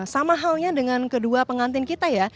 sama halnya dengan kedua pengantin kita ya